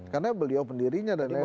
karena beliau pendirinya dan lain lain